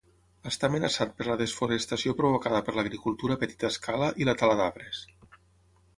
Està amenaçat per la desforestació provocada per l'agricultura a petita escala i la tala d'arbres.